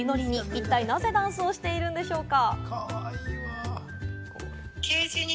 一体、なぜダンスをしているんでしょうか？